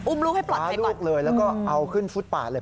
อุ้มลูกให้ปลอดใจก่อนปลาลูกเลยแล้วก็เอาขึ้นฟุตปากเลย